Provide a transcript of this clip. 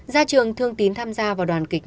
ra trường thương tín tham gia vào đoàn kịch